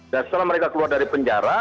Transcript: dan setelah mereka keluar dari penjara